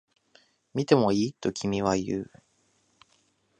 見てもいい？と君は言う